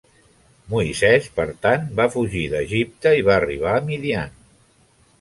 Moisès, per tant, va fugir d'Egipte i va arribar a Midian.